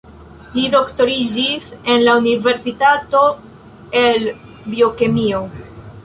Li doktoriĝis en la universitato el biokemio.